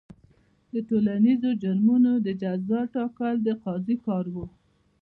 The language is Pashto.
د ټولنیزو جرمونو د جزا ټاکل د قاضي کار و.